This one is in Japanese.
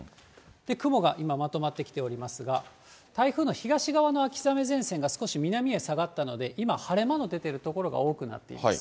雲が今、まとまってきておりますが、台風の東側の秋雨前線が少し南へ下がったので、今、晴れ間の出ている所が多くなっています。